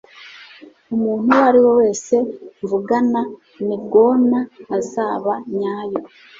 umuntu uwo ari we wese mvugana 'ni gonna azaba nyayo